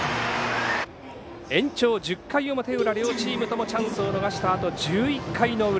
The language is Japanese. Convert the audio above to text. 延長１０回表裏、両チームともチャンスを逃したあと１１回の裏。